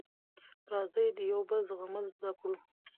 راځی د یوبل زغمل زده کړو